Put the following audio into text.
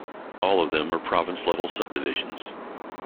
All of them are province-level subdivisions.